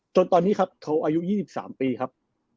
จนตอนนี้ครับเขาอายุ๒๓ปีครับ